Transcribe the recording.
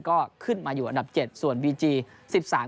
ก็ขึ้นมาอยู่อันดับเจ็ดส่วนบีจี๑๓